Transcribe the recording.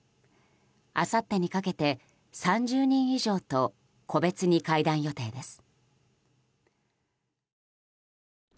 あさってにかけて３０人以上と個別に会談予定です。